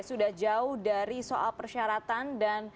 sudah jauh dari soal persyaratan dan